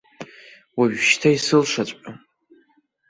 Уажәшьҭа исылшаҵәҟьом.